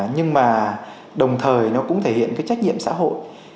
nhưng mà đồng thời nó cũng thể hiện cái trách nhiệm xã hội